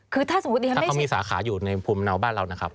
คือถ้าสมมุติถ้าเขามีสาขาอยู่ในภูมิเนาบ้านเรานะครับ